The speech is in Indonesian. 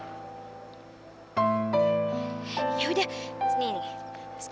sekarang kata itu no efek